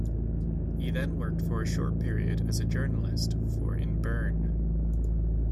He then worked for a short period as a journalist for in Bern.